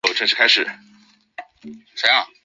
指令操作和编码